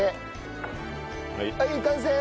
はい完成！